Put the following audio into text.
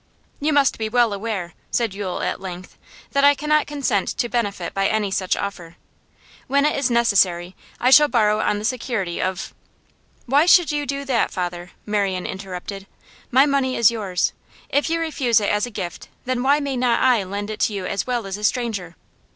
'You must be well aware,' said Yule at length, 'that I cannot consent to benefit by any such offer. When it is necessary, I shall borrow on the security of ' 'Why should you do that, father?' Marian interrupted. 'My money is yours. If you refuse it as a gift, then why may not I lend to you as well as a stranger?